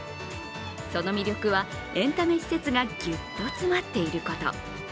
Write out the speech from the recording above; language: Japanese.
その魅力はエンタメ施設がぎゅっと詰まっていること。